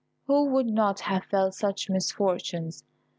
who would not have felt such misfortunes.